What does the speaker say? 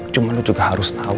cuman lo juga harus tau